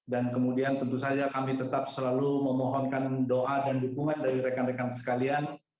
kemudian tentu saja kami tetap selalu memohonkan doa dan dukungan dari rekan rekan sekalian